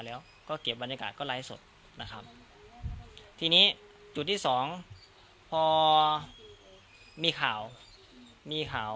แล้วก็เก็บบรรยากาศก็ไลฟ์สดนะครับทีนี้จุดที่สองพอมีข่าวมีข่าว